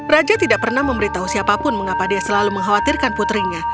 raja tidak pernah memberitahu siapapun mengapa dia selalu mengkhawatirkan putrinya